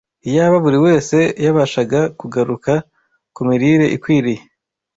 Iyaba buri wese yabashaga kugaruka ku mirire ikwiriye,